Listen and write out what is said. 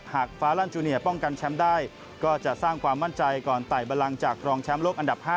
หากฟ้าลั่นจูเนียร์ป้องกันแชมป์ได้ก็จะสร้างความมั่นใจก่อนไต่บันลังจากรองแชมป์โลกอันดับ๕